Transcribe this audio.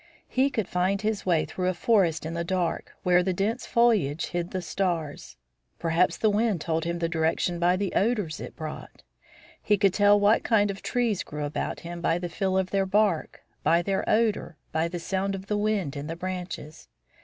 He could find his way through a forest in the dark, where the dense foliage hid the stars. Perhaps the wind told him the direction by the odors it brought. He could tell what kind of trees grew about him by the feel of their bark, by their odor, by the sound of the wind in the branches.